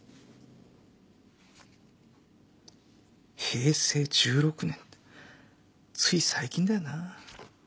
平成１６年ってつい最近だよな。